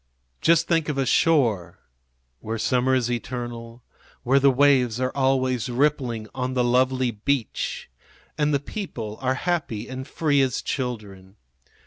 Just think of a shore where summer is eternal, where the waves are always rippling on the lovely beach and the people are happy and free as children.